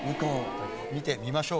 見てみましょう。